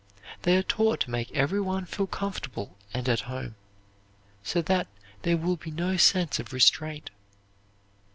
They are taught to make every one feel comfortable and at home, so that there will be no sense of restraint.